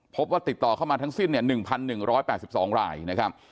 พบว่าติดต่อเข้ามาทั้งสิ้น๑๑๘๒รายนะครับ